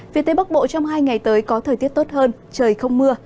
phía tây bắc bộ trong hai ngày tới có thời tiết tốt hơn trời không mưa